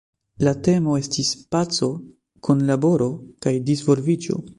La temo estis "Paco, Kunlaboro kaj Disvolviĝo".